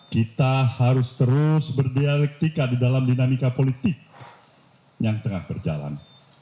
kita harus terus berdialektika di dalam dinamika politik yang tengah berjalan